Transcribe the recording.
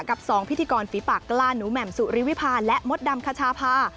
กับ๒พิธีกรฝีปากกล้าหนูแหม่มสุริวิพาและมดดำคชาพา